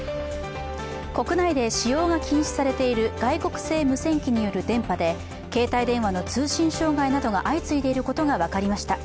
国内で使用が禁止されている外国製無線機による電波で携帯電話の通信障害などが相次いでいることが分かりました。